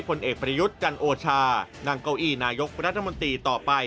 ผลเอกประยุทธ์จันโอชานั่งเก้าอี้นายกรัฐมนตรีต่อไป